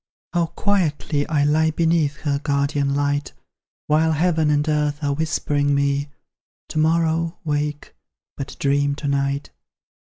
How quietly I lie beneath her guardian light; While heaven and earth are whispering me, "To morrow, wake, but dream to night."